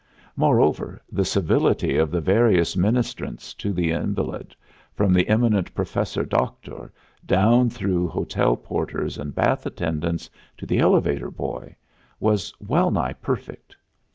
Moreover, the civility of the various ministrants to the invalid, from the eminent professor doctor down through hotel porters and bath attendants to the elevator boy, was well nigh perfect.